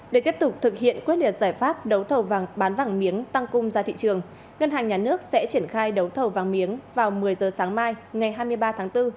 để tiếp tục thực hiện quyết liệt giải pháp đấu thầu vàng bán vàng miếng tăng cung ra thị trường ngân hàng nhà nước sẽ triển khai đấu thầu vàng miếng vào một mươi giờ sáng mai ngày hai mươi ba tháng bốn